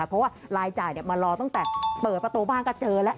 เพราะว่ารายจ่ายมารอตั้งแต่เปิดประตูบ้านก็เจอแล้ว